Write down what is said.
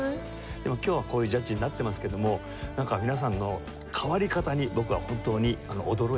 でも今日はこういうジャッジになってますけどもなんか皆さんの変わり方に僕は本当に驚いた。